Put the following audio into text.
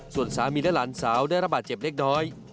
ส่วนสามีและหลานสาวได้ระบาดเจ็บเล็กน้อย